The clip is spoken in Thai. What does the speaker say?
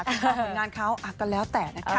แต่ว่าผลงานเขาก็แล้วแต่นะค่ะ